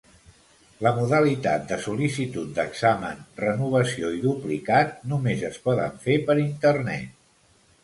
La modalitat de sol·licitud d'examen, renovació i duplicat només es poden fer per internet.